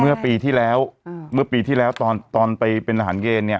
เมื่อปีที่แล้วเมื่อปีที่แล้วตอนตอนไปเป็นทหารเกณฑ์เนี่ย